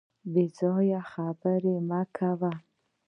بې ځایه خبري مه کوه .